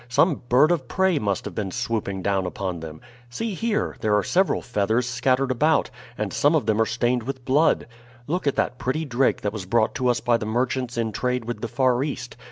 "Some bird of prey must have been swooping down upon them. See here, there are several feathers scattered about, and some of them are stained with blood. Look at that pretty drake that was brought to us by the merchants in trade with the far East.